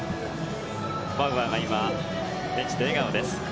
バウアーが今ベンチで笑顔です。